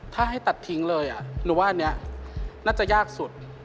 ถ้าให้ตัดทิ้งเลยหรือว่าอันนี้น่าจะยากสุด